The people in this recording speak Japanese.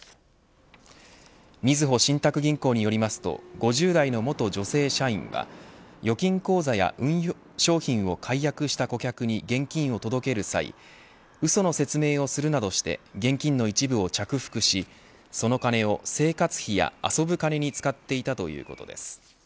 みずほ信託銀行によりますと５０代の元女性社員は預金口座や運用商品を解約した顧客に現金を届ける際うその説明をするなどして現金の一部を着服しその金を生活費や遊ぶ金に使っていたということです。